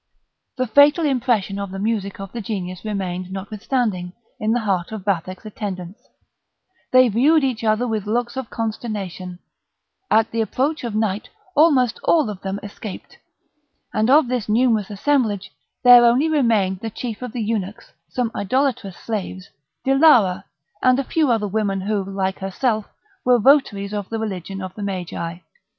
The fatal impression of the music of the Genius remained, notwithstanding, in the heart of Vathek's attendants; they viewed each other with looks of consternation; at the approach of night almost all of them escaped, and of this numerous assemblage there only remained the chief of the eunuchs, some idolatrous slaves, Dilara and a few other women, who, like herself, were votaries of the religion of the Magi.